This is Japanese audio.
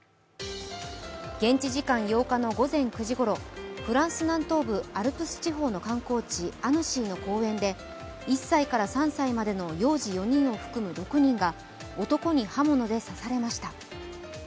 現地時間の８日の午前９時ごろフランス南東部アルプス地方の観光地、アヌシーの公園で１歳から３歳までの幼児１人を含む６人が男に刃物で刺されました。